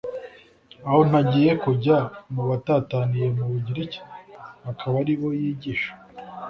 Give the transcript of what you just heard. Aho ntagiye kujya mu batataniye mu Bugiriki, akaba ari bo yigisha?